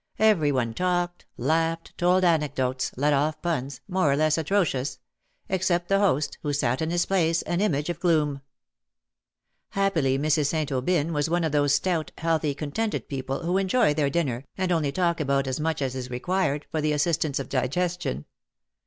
Every one talked, laughed, told anecdotes, let off puns, more or less atrocious — except the host, who sat in his place an image of gloom. Happily Mrs. St. Aubyn was one of those stout, healthy, contented people who enjoy their dinner, and only talk about as much as is required CROWNED WITH SNAKES." 183 for the assistance of digestion.